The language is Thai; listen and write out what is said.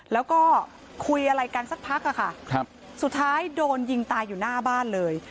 แล้วก็คุยอะไรกันสักพักค่ะสุดท้ายโดนยิงตายอยู่หน้าบ้านเลย